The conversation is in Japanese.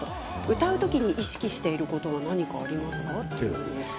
歌うことに意識していることはありますか？